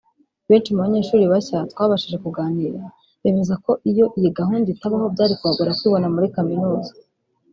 Benshi mu banyeshuri bashya twabashije kuganira bemeza ko iyo iyi gahunda itabaho byari kubagora kwibona muri kaminuza